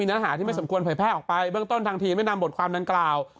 พยายามแพร่ออกไปเบื้องต้นทางทีไม่นำบทความดังกล่าว